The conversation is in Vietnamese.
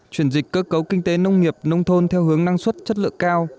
chuyển dịch cơ cấu kinh tế nông nghiệp nông thôn theo hướng năng suất chất lượng cao